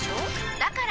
だから！